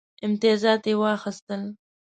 امتیازات یې واخیستل.